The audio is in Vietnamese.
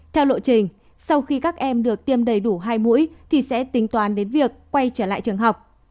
theo lộ trình sau khi các em được tiêm đầy đủ hai mũi thì sẽ tính toán đến việc quay trở lại trường học